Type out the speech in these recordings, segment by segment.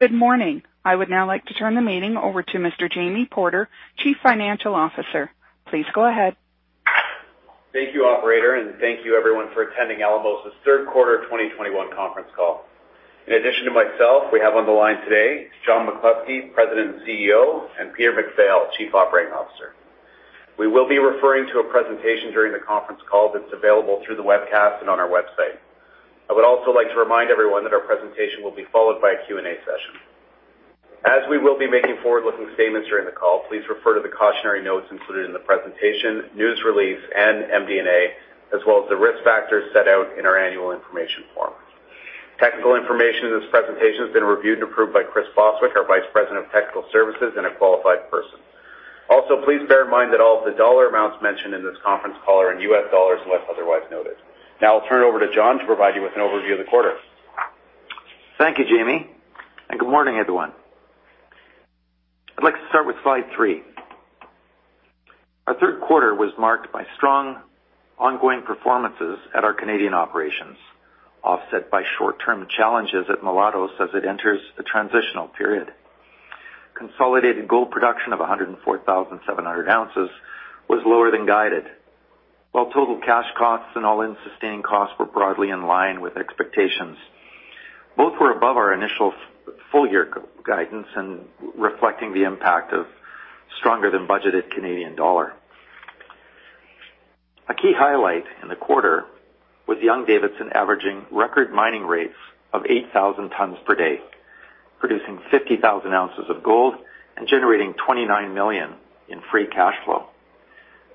Good morning. I would now like to turn the meeting over to Mr. Jamie Porter, Chief Financial Officer. Please go ahead. Thank you, operator, and thank you everyone for attending Alamos' third quarter 2021 conference call. In addition to myself, we have on the line today, John McCluskey, President and CEO, and Peter MacPhail, Chief Operating Officer. We will be referring to a presentation during the conference call that's available through the webcast and on our website. I would also like to remind everyone that our presentation will be followed by a Q&A session. As we will be making forward-looking statements during the call, please refer to the cautionary notes included in the presentation, news release, and MD&A, as well as the risk factors set out in our annual information form. Technical information in this presentation has been reviewed and approved by Chris Bostwick, our Vice President of Technical Services, and a qualified person. Please bear in mind that all of the dollar amounts mentioned in this conference call are in U.S. dollars, unless otherwise noted. Now I'll turn it over to John to provide you with an overview of the quarter. Thank you, Jamie, and good morning, everyone. I'd like to start with slide 3. Our third quarter was marked by strong ongoing performances at our Canadian operations, offset by short-term challenges at Mulatos as it enters a transitional period. Consolidated gold production of 104,700 ounces was lower than guided. While total cash costs and all-in sustaining costs were broadly in line with expectations, both were above our initial full year guidance and reflecting the impact of stronger than budgeted Canadian dollar. A key highlight in the quarter was Young-Davidson averaging record mining rates of 8,000 tons per day, producing 50,000 ounces of gold and generating $29 million in free cash flow.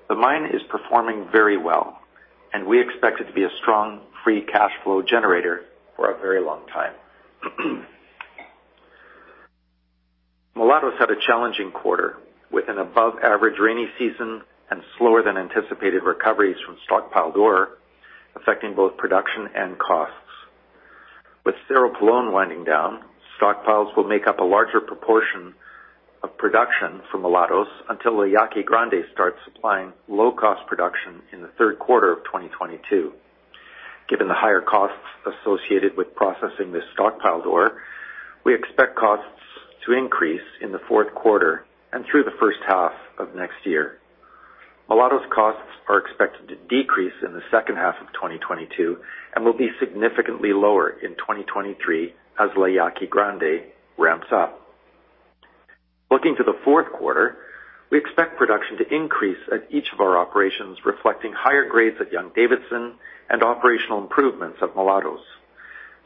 The mine is performing very well, and we expect it to be a strong free cash flow generator for a very long time. Mulatos had a challenging quarter with an above average rainy season and slower than anticipated recoveries from stockpiled ore, affecting both production and costs. With Cerro Pelon winding down, stockpiles will make up a larger proportion of production for Mulatos until La Yaqui Grande starts supplying low-cost production in the third quarter of 2022. Given the higher costs associated with processing this stockpiled ore, we expect costs to increase in the fourth quarter and through the first half of next year. Mulatos costs are expected to decrease in the second half of 2022 and will be significantly lower in 2023 as La Yaqui Grande ramps up. Looking to the fourth quarter, we expect production to increase at each of our operations, reflecting higher grades at Young-Davidson and operational improvements at Mulatos.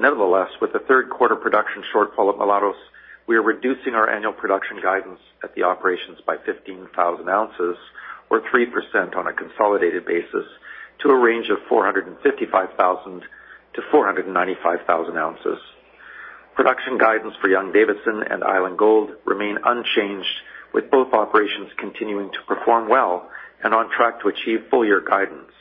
Nevertheless, with the third quarter production shortfall at Mulatos, we are reducing our annual production guidance at the operations by 15,000 ounces or 3% on a consolidated basis to a range of 455,000-495,000 ounces. Production guidance for Young-Davidson and Island Gold remain unchanged, with both operations continuing to perform well and on track to achieve full year guidance.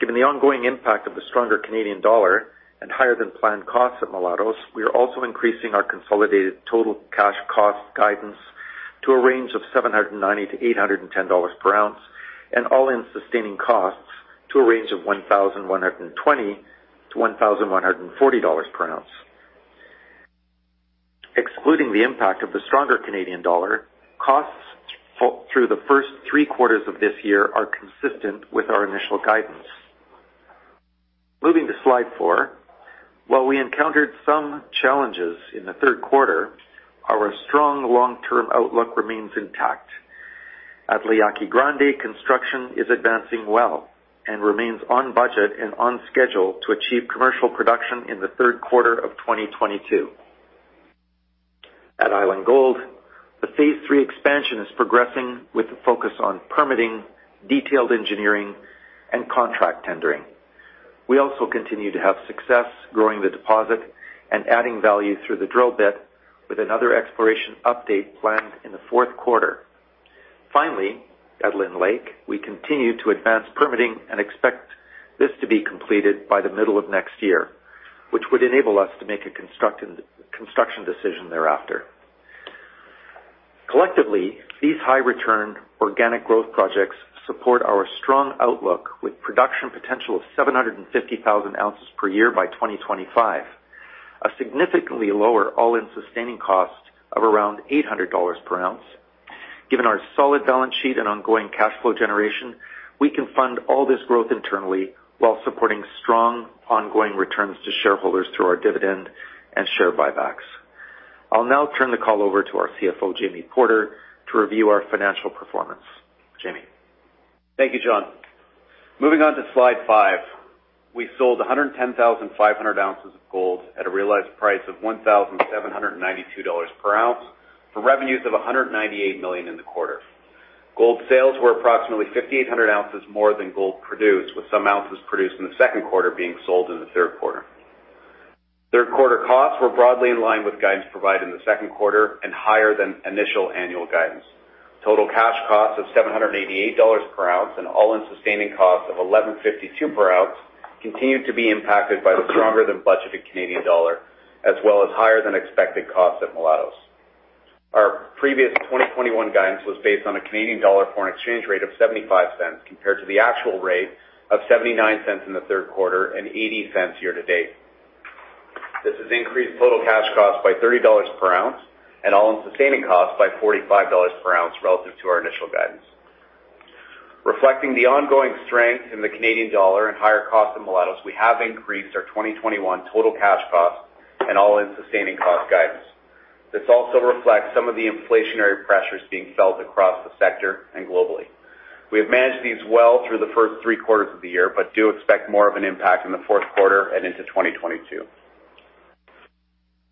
Given the ongoing impact of the stronger Canadian dollar and higher than planned costs at Mulatos, we are also increasing our consolidated total cash cost guidance to a range of $790-$810 per ounce, and all-in sustaining costs to a range of $1,120-$1,140 per ounce. Excluding the impact of the stronger Canadian dollar, costs through the first three quarters of this year are consistent with our initial guidance. Moving to slide four. While we encountered some challenges in the third quarter, our strong long-term outlook remains intact. At La Yaqui Grande, construction is advancing well and remains on budget and on schedule to achieve commercial production in the third quarter of 2022. At Island Gold, the phase III Expansion is progressing with a focus on permitting, detailed engineering, and contract tendering. We also continue to have success growing the deposit and adding value through the drill bit with another exploration update planned in the fourth quarter. Finally, at Lynn Lake, we continue to advance permitting and expect this to be completed by the middle of next year, which would enable us to make a construction decision thereafter. Collectively, these high return organic growth projects support our strong outlook with production potential of 750,000 ounces per year by 2025, a significantly lower all-in sustaining cost of around $800 per ounce. Given our solid balance sheet and ongoing cash flow generation, we can fund all this growth internally while supporting strong ongoing returns to shareholders through our dividend and share buybacks. I'll now turn the call over to our CFO, Jamie Porter, to review our financial performance. Jamie? Thank you, John. Moving on to slide five. We sold 110,500 ounces of gold at a realized price of $1,792 per ounce for revenues of $198 million in the quarter. Gold sales were approximately 5,800 ounces more than gold produced, with some ounces produced in the second quarter being sold in the third quarter. Third quarter costs were broadly in line with guidance provided in the second quarter and higher than initial annual guidance. Total cash costs of $788 per ounce and all-in sustaining costs of $1,152 per ounce continued to be impacted by the stronger than budgeted Canadian dollar, as well as higher than expected costs at Mulatos. Previous 2021 guidance was based on a Canadian dollar foreign exchange rate of 0.75 compared to the actual rate of 0.79 in the third quarter and 0.80 year to date. This has increased total cash costs by $30 per ounce and all-in sustaining costs by $45 per ounce relative to our initial guidance. Reflecting the ongoing strength in the Canadian dollar and higher cost in Mulatos, we have increased our 2021 total cash cost and all-in sustaining cost guidance. This also reflects some of the inflationary pressures being felt across the sector and globally. We have managed these well through the first three quarters of the year, but do expect more of an impact in the fourth quarter and into 2022.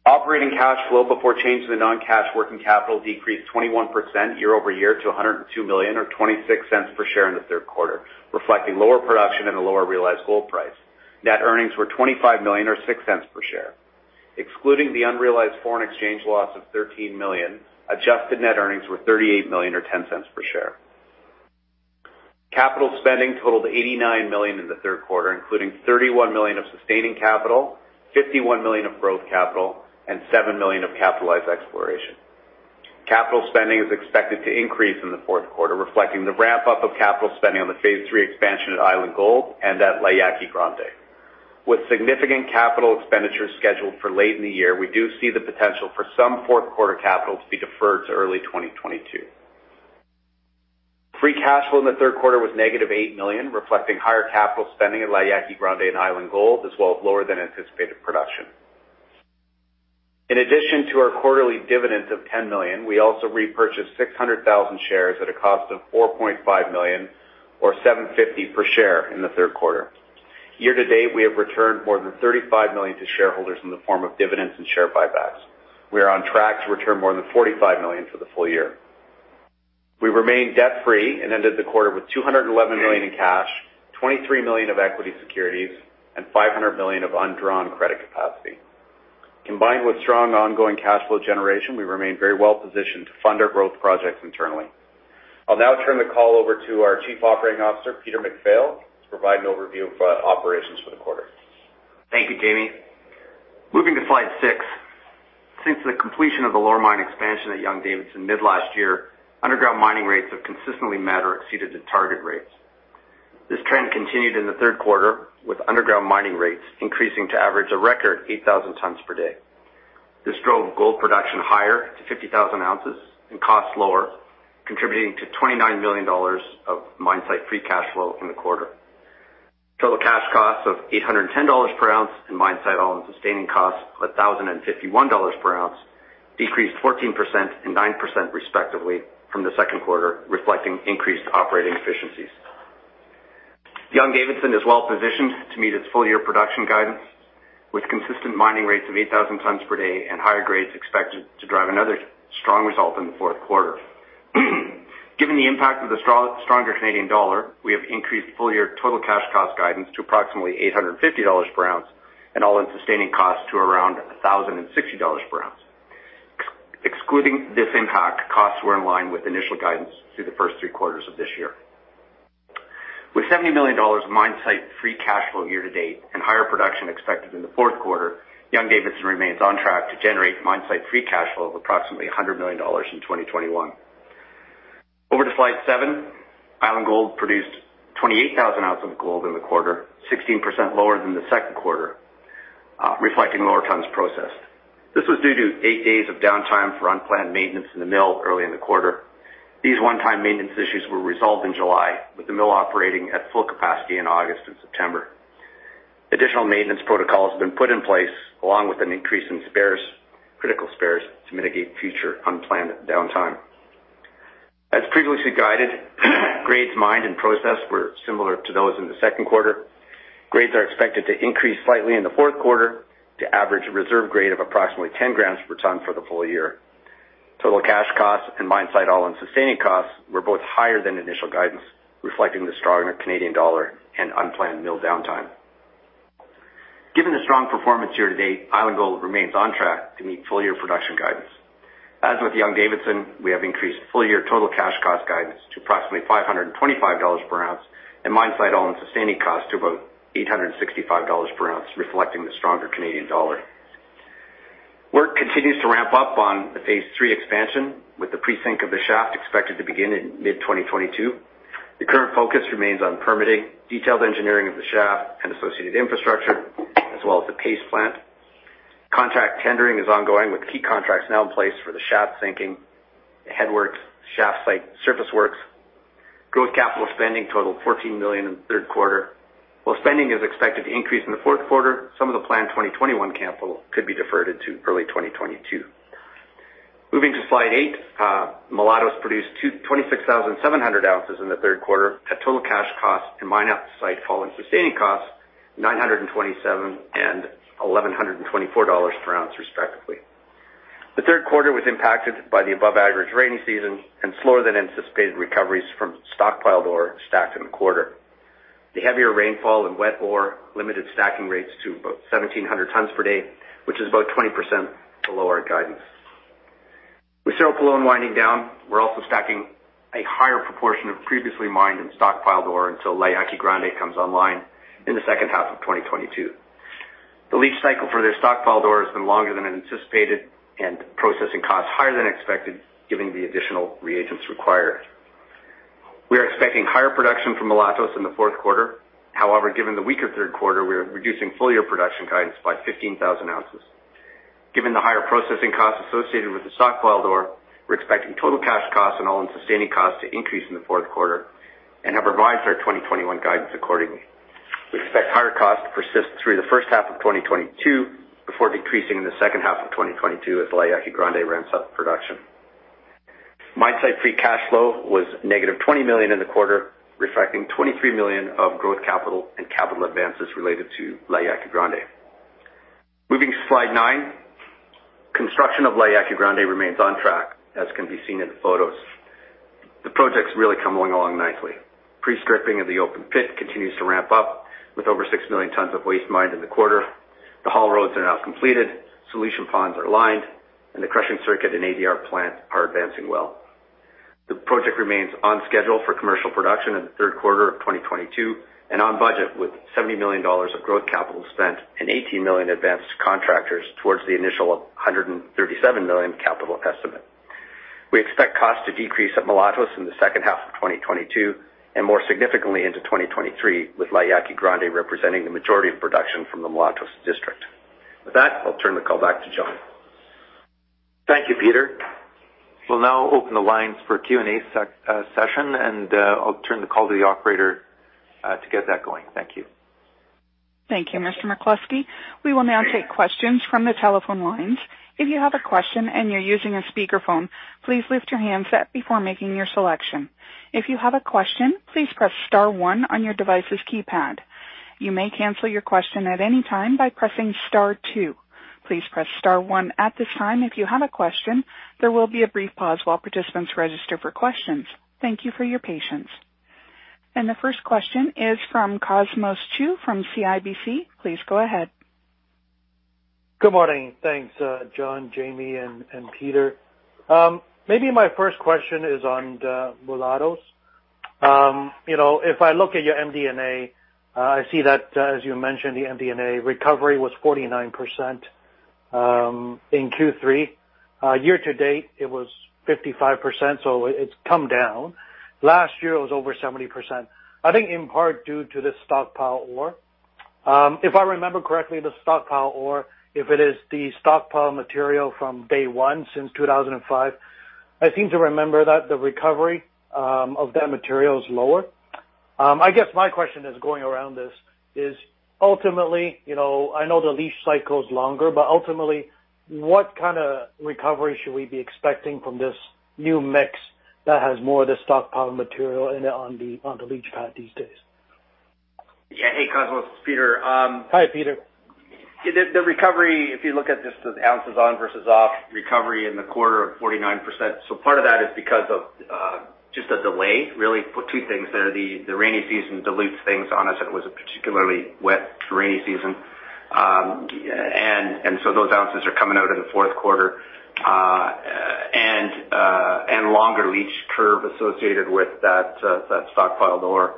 Operating cash flow before change to the non-cash working capital decreased 21% year-over-year to $102 million, or $0.26 per share in the third quarter, reflecting lower production and a lower realized gold price. Net earnings were $25 million or $0.06 per share. Excluding the unrealized foreign exchange loss of $13 million, adjusted net earnings were $38 million or $0.10 per share. Capital spending totaled $89 million in the third quarter, including $31 million of sustaining capital, $51 million of growth capital and $7 million of capitalized exploration. Capital spending is expected to increase in the fourth quarter, reflecting the ramp up of capital spending on the phase III Expansion at Island Gold and at La Yaqui Grande. With significant capital expenditures scheduled for late in the year, we do see the potential for some fourth quarter capital to be deferred to early 2022. Free cash flow in the third quarter was -$8 million, reflecting higher capital spending at La Yaqui Grande and Island Gold, as well as lower than anticipated production. In addition to our quarterly dividends of $10 million, we also repurchased 600,000 shares at a cost of $4.5 million or $7.50 per share in the third quarter. Year to date, we have returned more than $35 million to shareholders in the form of dividends and share buybacks. We are on track to return more than $45 million for the full year. We remain debt-free and ended the quarter with $211 million in cash, $23 million of equity securities and $500 million of undrawn credit capacity. Combined with strong ongoing cash flow generation, we remain very well positioned to fund our growth projects internally. I'll now turn the call over to our Chief Operating Officer, Peter MacPhail, to provide an overview of operations for the quarter. Thank you, Jamie. Moving to slide six. Since the completion of the lower mine expansion at Young-Davidson mid last year, underground mining rates have consistently met or exceeded the target rates. This trend continued in the third quarter, with underground mining rates increasing to average a record 8,000 tons per day. This drove gold production higher to 50,000 ounces and costs lower, contributing to $29 million of mine-site free cash flow in the quarter. Total cash costs of $810 per ounce and mine-site all-in sustaining costs of $1,051 per ounce decreased 14% and 9% respectively from the second quarter, reflecting increased operating efficiencies. Young-Davidson is well positioned to meet its full year production guidance with consistent mining rates of 8,000 tons per day and higher grades expected to drive another strong result in the fourth quarter. Given the impact of the stronger Canadian dollar, we have increased full year total cash cost guidance to approximately $850 per ounce and all-in sustaining costs to around $1,060 per ounce. Excluding this impact, costs were in line with initial guidance through the first three quarters of this year. With $70 million mine site free cash flow year to date and higher production expected in the fourth quarter, Young-Davidson remains on track to generate mine site free cash flow of approximately $100 million in 2021. Over to slide seven. Island Gold produced 28,000 ounces of gold in the quarter, 16% lower than the second quarter, reflecting lower tons processed. This was due to eight days of downtime for unplanned maintenance in the mill early in the quarter. These one-time maintenance issues were resolved in July, with the mill operating at full capacity in August and September. Additional maintenance protocol has been put in place, along with an increase in spares, critical spares to mitigate future unplanned downtime. As previously guided, grades mined and processed were similar to those in the second quarter. Grades are expected to increase slightly in the fourth quarter to average a reserve grade of approximately ten grams per ton for the full year. Total cash costs and mine-site all-in sustaining costs were both higher than initial guidance, reflecting the stronger Canadian dollar and unplanned mill downtime. Given the strong performance year to date, Island Gold remains on track to meet full year production guidance. As with Young-Davidson, we have increased full year total cash cost guidance to approximately $525 per ounce and mine-site all-in sustaining cost to about $865 per ounce, reflecting the stronger Canadian dollar. Work continues to ramp up on the phase III expansion, with the pre-sink of the shaft expected to begin in mid-2022. The current focus remains on permitting detailed engineering of the shaft and associated infrastructure as well as the paste plant. Contract tendering is ongoing, with key contracts now in place for the shaft sinking, headworks, shaft site, surface works. Growth capital spending totaled $14 million in the third quarter. While spending is expected to increase in the fourth quarter, some of the planned 2021 capital could be deferred into early 2022. Moving to slide eight, Mulatos produced 26,700 ounces in the third quarter at total cash costs and mine-site all-in sustaining costs $927 and $1,124 per ounce, respectively. The third quarter was impacted by the above average rainy season and slower than anticipated recoveries from stockpiled ore stacked in the quarter. The heavier rainfall and wet ore limited stacking rates to about 1,700 tons per day, which is about 20% below our guidance. With Cerro Pelon winding down, we're also stacking a higher proportion of previously mined and stockpiled ore until La Yaqui Grande comes online in the second half of 2022. The leach cycle for the stockpiled ore has been longer than anticipated and processing costs higher than expected given the additional reagents required. We are expecting higher production from Mulatos in the fourth quarter. However, given the weaker third quarter, we are reducing full year production guidance by 15,000 ounces. Given the higher processing costs associated with the stockpiled ore, we're expecting total cash costs and all-in sustaining costs to increase in the fourth quarter and have revised our 2021 guidance accordingly. We expect higher costs to persist through the first half of 2022 before decreasing in the second half of 2022 as La Yaqui Grande ramps up production. Mine site free cash flow was negative $20 million in the quarter, reflecting $23 million of growth capital and capital advances related to La Yaqui Grande. Moving to slide nine. Construction of La Yaqui Grande remains on track, as can be seen in the photos. The project's really coming along nicely. Pre-stripping of the open pit continues to ramp up, with over 6 million tons of waste mined in the quarter. The haul roads are now completed, solution ponds are lined, and the crushing circuit and ADR plant are advancing well. The project remains on schedule for commercial production in the third quarter of 2022 and on budget with $70 million of growth capital spent and $18 million advanced to contractors towards the initial $137 million capital estimate. We expect costs to decrease at Mulatos in the second half of 2022 and more significantly into 2023, with La Yaqui Grande representing the majority of production from the Mulatos district. With that, I'll turn the call back to John. Thank you, Peter. We'll now open the lines for Q&A session, and I'll turn the call to the operator to get that going. Thank you. Thank you, Mr. McCluskey. We will now take questions from the telephone lines. If you have a question and you're using a speakerphone, please lift your handset before making your selection. If you have a question, please press star one on your device's keypad. You may cancel your question at any time by pressing star two. Please press star one at this time if you have a question. There will be a brief pause while participants register for questions. Thank you for your patience. The first question is from Cosmos Chiu from CIBC. Please go ahead. Good morning. Thanks, John, Jamie and Peter. Maybe my first question is on Mulatos. You know, if I look at your MD&A, I see that, as you mentioned, the MD&A recovery was 49% in Q3. Year to date, it was 55%, so it's come down. Last year, it was over 70%. I think in part due to the stockpile ore. If I remember correctly, the stockpile ore, if it is the stockpile material from day one since 2005, I seem to remember that the recovery of that material is lower. I guess my question is getting around to this ultimately, you know, I know the leach cycle is longer, but ultimately, what kind of recovery should we be expecting from this new mix that has more of the stockpile material in it on the leach pad these days? Yeah. Hey, Cosmos. Peter. Hi, Peter. The recovery, if you look at just the ounces on versus off recovery in the quarter of 49%. Part of that is because of just a delay, really. Two things there, the rainy season dilutes things on us, and it was a particularly wet, rainy season. Those ounces are coming out in the fourth quarter, and longer leach curve associated with that stockpiled ore.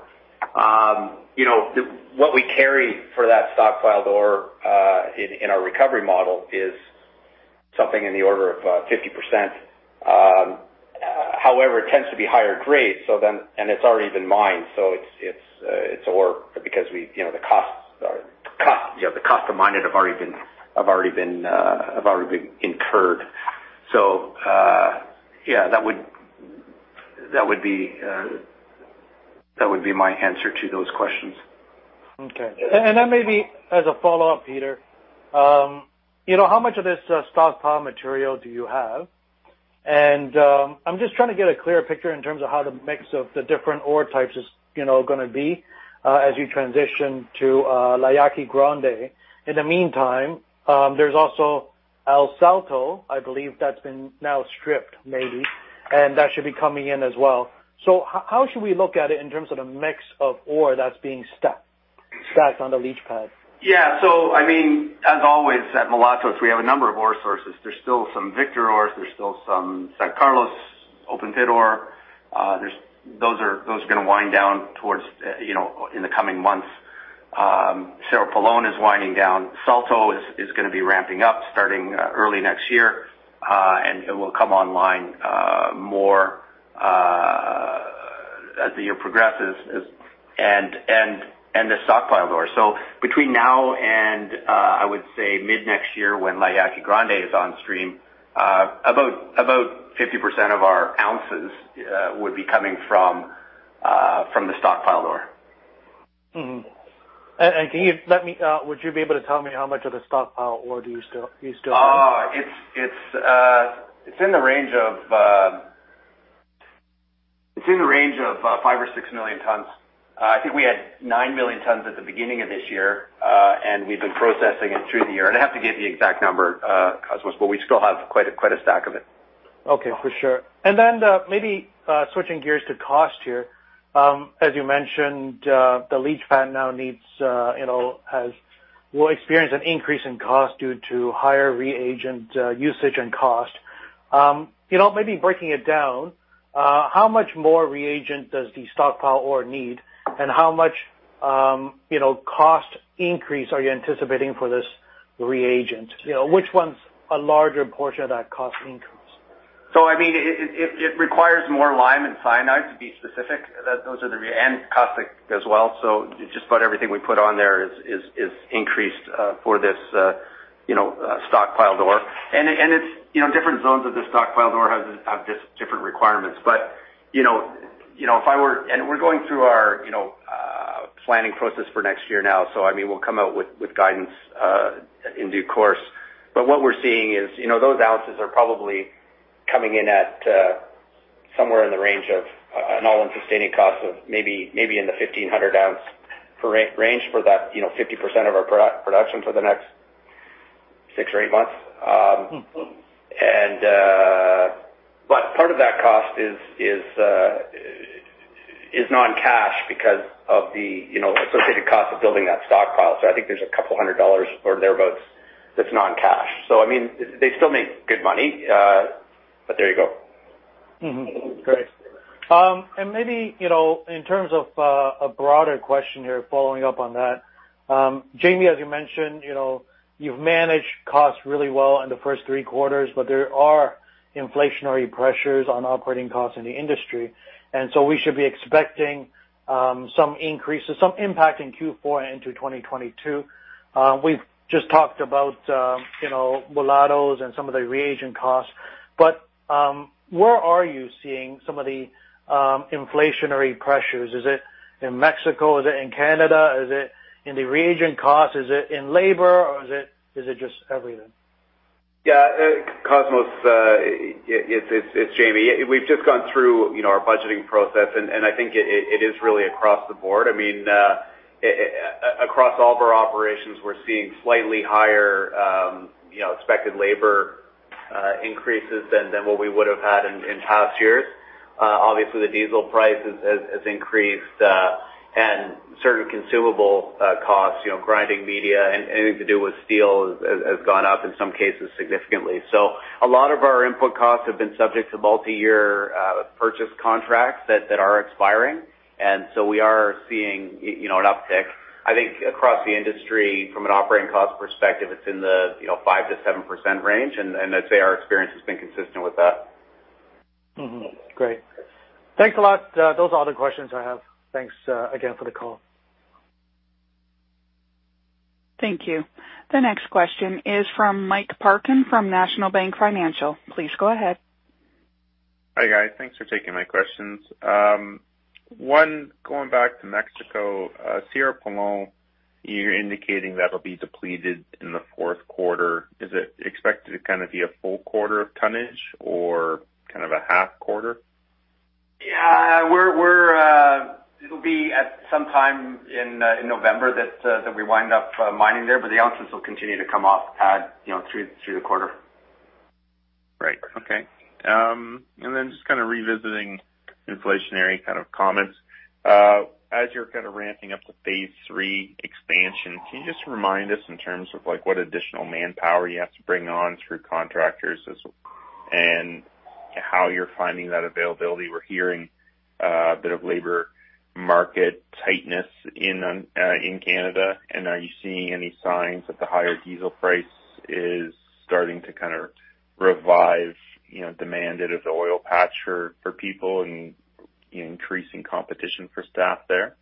You know, what we carry for that stockpiled ore, in our recovery model is something in the order of 50%. However, it tends to be higher grade, so then. It's already been mined, so it's ore because we, you know, the cost to mine it have already been incurred. Yeah, that would be my answer to those questions. Okay. Maybe as a follow-up, Peter, you know, how much of this stockpile material do you have? I'm just trying to get a clear picture in terms of how the mix of the different ore types is, you know, gonna be, as you transition to La Yaqui Grande. In the meantime, there's also El Salto, I believe that's been now stripped maybe, and that should be coming in as well. How should we look at it in terms of the mix of ore that's being stacked on the leach pad? Yeah. I mean, as always, at Mulatos, we have a number of ore sources. There's still some Victor ores, there's still some San Carlos open-pit ore. Those are gonna wind down towards, you know, in the coming months. Cerro Pelon is winding down. Salto is gonna be ramping up starting early next year, and it will come online more as the year progresses, and the stockpile ore. Between now and I would say mid-next year when La Yaqui Grande is on stream, about 50% of our ounces would be coming from the stockpile ore. Would you be able to tell me how much of the stockpiled ore do you still have? It's in the range of 5 or 6 million tons. I think we had 9 million tons at the beginning of this year, and we've been processing it through the year. I'd have to get the exact number, Cosmos, but we still have quite a stack of it. Okay, for sure. Maybe switching gears to cost here. As you mentioned, the leach pad now will experience an increase in cost due to higher reagent usage and cost. You know, maybe breaking it down, how much more reagent does the stockpiled ore need, and how much cost increase are you anticipating for this reagent? You know, which one's a larger portion of that cost increase? I mean, it requires more lime and cyanide to be specific. Those are the reagents and caustic as well. Just about everything we put on there is increased for this, you know, stockpiled ore. It's, you know, different zones of the stockpiled ore have just different requirements. We're going through our, you know, planning process for next year now. I mean, we'll come out with guidance in due course. What we're seeing is, you know, those ounces are probably coming in at somewhere in the range of an all-in sustaining cost of maybe in the $1,500 per ounce range for that, you know, 50% of our production for the next six or eight months. Part of that cost is non-cash because of the you know associated cost of building that stockpile. I think there's $200 or thereabouts that's non-cash. I mean, they still make good money, but there you go. Mm-hmm. Great. Maybe, you know, in terms of a broader question here, following up on that, Jamie, as you mentioned, you know, you've managed costs really well in the first three quarters, but there are inflationary pressures on operating costs in the industry. We should be expecting some increases, some impact in Q4 into 2022. We've just talked about, you know, Mulatos and some of the reagent costs. Where are you seeing some of the inflationary pressures? Is it in Mexico? Is it in Canada? Is it in the reagent cost? Is it in labor, or is it just everything? Yeah, Cosmos, it's Jamie. We've just gone through, you know, our budgeting process, and I think it is really across the board. I mean, across all of our operations, we're seeing slightly higher, you know, expected labor increases than what we would have had in past years. Obviously, the diesel price has increased, and certain consumable costs, you know, grinding media, and anything to do with steel has gone up, in some cases significantly. A lot of our input costs have been subject to multiyear purchase contracts that are expiring. We are seeing, you know, an uptick. I think across the industry from an operating cost perspective, it's in the, you know, 5%-7% range, and I'd say our experience has been consistent with that. Great. Thanks a lot. Those are all the questions I have. Thanks again for the call. Thank you. The next question is from Mike Parkin from National Bank Financial. Please go ahead. Hi, guys. Thanks for taking my questions. One, going back to Mexico, Cerro Pelon, you're indicating that'll be depleted in the fourth quarter. Is it expected to kind of be a full quarter of tonnage or kind of a half quarter? Yeah. It'll be at some time in November that we wind up mining there, but the ounces will continue to come off at, you know, through the quarter. Right. Okay. Just kind of revisiting inflationary kind of comments. As you're kind of ramping up the phase III Expansion, can you just remind us in terms of like what additional manpower you have to bring on through contractors and how you're finding that availability? We're hearing a bit of labor market tightness in Canada, and are you seeing any signs that the higher diesel price is starting to kind of revive, you know, demand in the oil patch for people and increasing competition for staff there?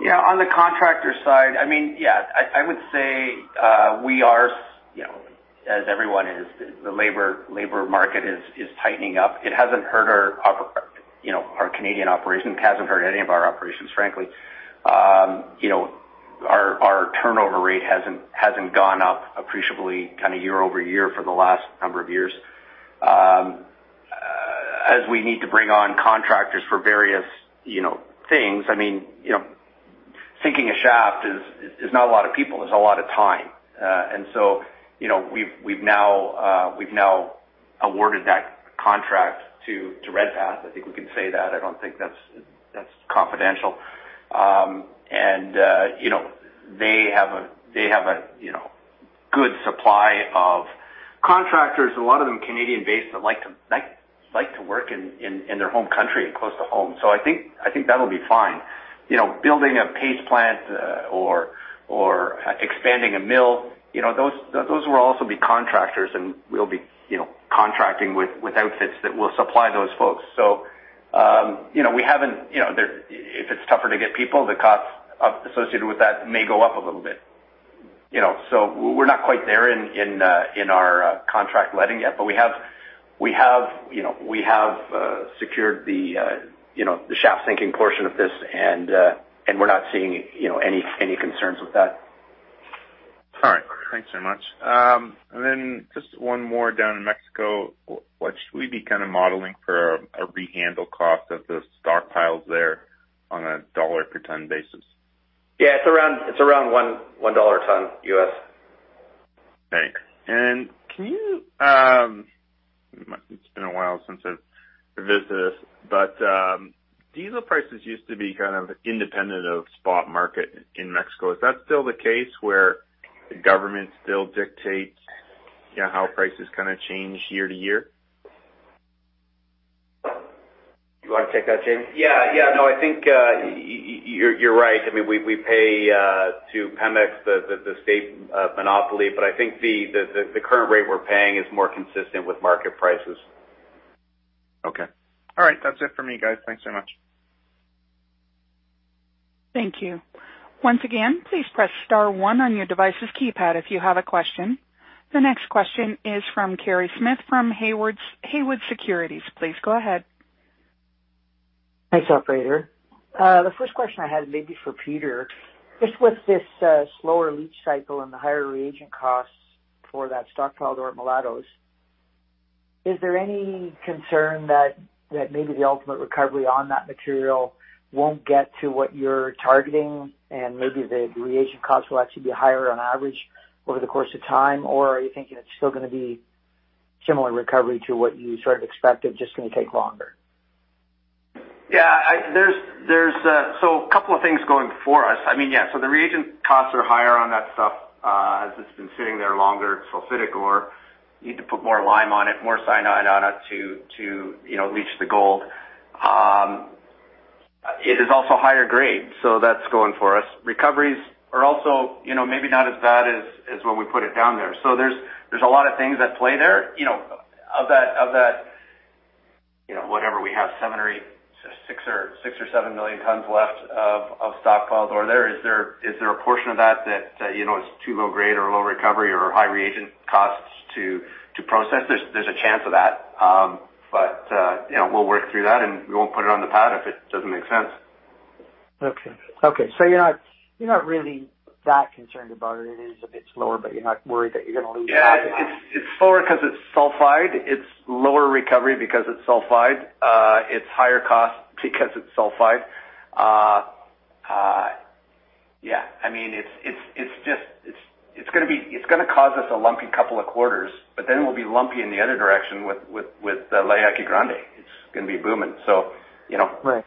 On the contractor side, I mean, I would say, we are, you know, as everyone is, the labor market is tightening up. It hasn't hurt, you know, our Canadian operations. It hasn't hurt any of our operations, frankly. You know, our turnover rate hasn't gone up appreciably kind of year-over-year for the last number of years. As we need to bring on contractors for various, you know, things, I mean, you know, sinking a shaft is not a lot of people. It's a lot of time. You know, we've now awarded that contract to Redpath. I think we can say that. I don't think that's confidential. You know, they have a good supply of contractors, a lot of them Canadian-based, that like to work in their home country and close to home. I think that'll be fine. You know, building a paste plant or expanding a mill, you know, those will also be contractors, and we'll be, you know, contracting with outfits that will supply those folks. If it's tougher to get people, the costs associated with that may go up a little bit, you know. We're not quite there in our contract letting yet, but we have, you know, secured the, you know, the shaft sinking portion of this, and we're not seeing, you know, any concerns with that. All right. Thanks very much. Just one more down in Mexico. What should we be kind of modeling for a rehandle cost of the stockpiles there on a $ per ton basis? It's around $1 a ton U.S. Thanks. Can you? It's been a while since I've revisited this, but diesel prices used to be kind of independent of spot market in Mexico. Is that still the case where the government still dictates, you know, how prices kind of change year to year? You wanna take that, Jamie? Yeah, yeah. No, I think you're right. I mean, we pay to Pemex, the state monopoly, but I think the current rate we're paying is more consistent with market prices. Okay. All right. That's it for me, guys. Thanks so much. Thank you. Once again, please press star one on your device's keypad if you have a question. The next question is from Kerry Smith from Haywood Securities. Please go ahead. Thanks, operator. The first question I had maybe for Peter, just with this, slower leach cycle and the higher reagent costs for that stockpiled ore at Mulatos, is there any concern that that maybe the ultimate recovery on that material won't get to what you're targeting and maybe the reagent costs will actually be higher on average over the course of time? Or are you thinking it's still gonna be similar recovery to what you sort of expected, just gonna take longer? There's a couple of things going for us. I mean, yeah, the reagent costs are higher on that stuff, as it's been sitting there longer, sulfidic ore. You need to put more lime on it, more cyanide on it to, you know, leach the gold. It is also higher grade, so that's going for us. Recoveries are also, you know, maybe not as bad as when we put it down there. There's a lot of things at play there. You know, of that, whatever we have, 6 or 7 million tons left of stockpiled ore there, is there a portion of that that, you know, is too low grade or low recovery or high reagent costs to process? There's a chance of that. You know, we'll work through that, and we won't put it on the pad if it doesn't make sense. Okay, so you're not really that concerned about it. It is a bit slower, but you're not worried that you're gonna lose Yeah, it's slower 'cause it's sulfide. It's lower recovery because it's sulfide. It's higher cost because it's sulfide. Yeah, I mean, it's just gonna be. It's gonna cause us a lumpy couple of quarters, but then we'll be lumpy in the other direction with the La Yaqui Grande. It's gonna be booming. So, you know. Right.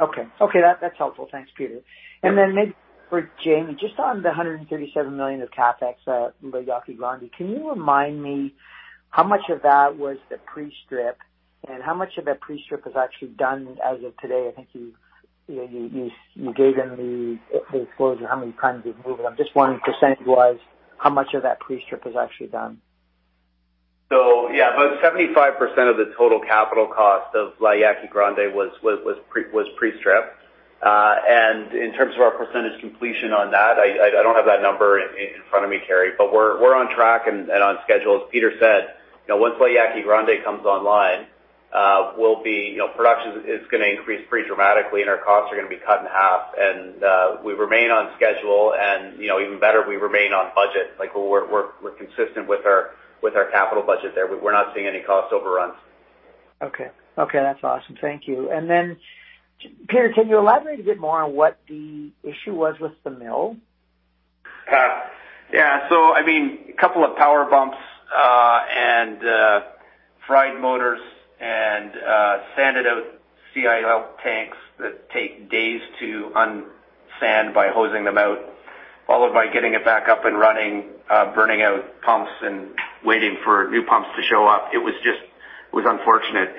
Okay, that's helpful. Thanks, Peter. Yeah. Then maybe for Jamie, just on the $137 million of CapEx at La Yaqui Grande, can you remind me how much of that was the pre-strip, and how much of that pre-strip is actually done as of today? I think you know, you gave in the disclosure how many tons you've moved. I'm just wondering percentage-wise how much of that pre-strip is actually done. Yeah, about 75% of the total capital cost of La Yaqui Grande was pre-strip. In terms of our percentage completion on that, I don't have that number in front of me, Kerry. We're on track and on schedule. As Peter said, you know, once La Yaqui Grande comes online, we'll be, you know, production is gonna increase pretty dramatically, and our costs are gonna be cut in half. We remain on schedule and, you know, even better, we remain on budget. Like, we're consistent with our capital budget there. We're not seeing any cost overruns. Okay. Okay, that's awesome. Thank you. Peter, can you elaborate a bit more on what the issue was with the mill? Yeah. I mean, a couple of power bumps, and fried motors and sanded out CIL tanks that take days to un-sand by hosing them out, followed by getting it back up and running, burning out pumps and waiting for new pumps to show up. It was just unfortunate.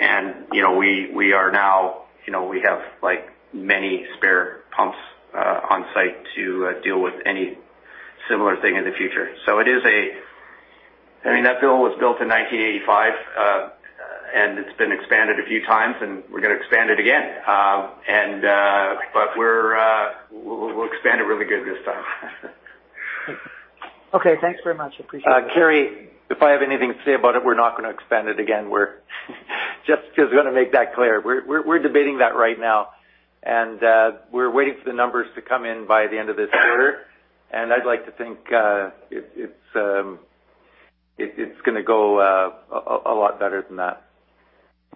You know, we are now, you know, we have, like, many spare pumps on site to deal with any similar thing in the future. It is a I mean, that mill was built in 1985, and it's been expanded a few times, and we're gonna expand it again. We'll expand it really good this time. Okay. Thanks very much. Appreciate it. Kerry, if I have anything to say about it, we're not gonna expand it again. We're debating that right now, and we're waiting for the numbers to come in by the end of this quarter, and I'd like to think it's gonna go a lot better than that.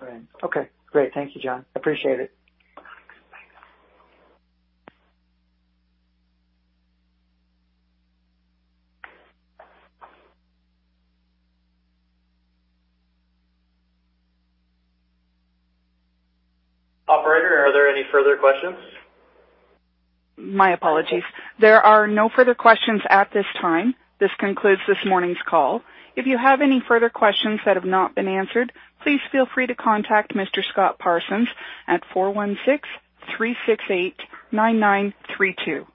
Right. Okay, great. Thank you, John. Appreciate it. Bye now. Operator, are there any further questions? My apologies. There are no further questions at this time. This concludes this morning's call. If you have any further questions that have not been answered, please feel free to contact Mr. Scott Parsons at 416-368-9932.